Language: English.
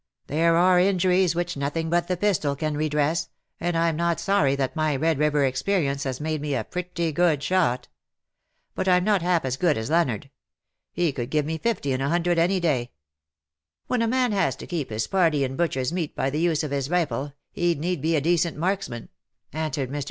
There are injuries which nothing but the pistol can redress, and I^m not sorry that my Eed River experience has made me a pretty good shot. But Vm not half as good as Leonard. He could give me fifty in a hundred any day.^^ " When a man has to keep his party in butcher^s meat by the use of his rifle, hc^d need be a decent marksman,^^ answered ^Ir.